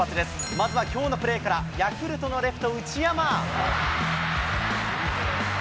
まずはきょうのプレーから、ヤクルトのレフト、内山。